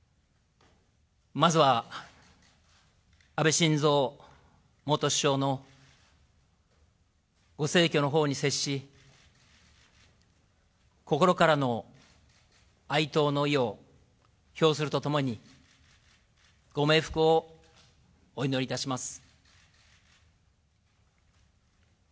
まずは安倍晋三元首相のご逝去の報に接し、心からの哀悼の意を表するとともに、ご冥福をお祈りいたします。